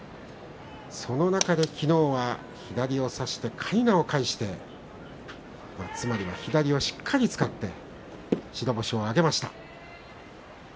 その中で昨日は左を差してかいなを返して左をしっかり使って白星を挙げました。